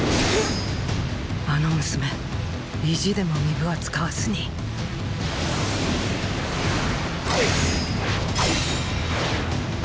あの娘意地でも巫舞は使わずにっ！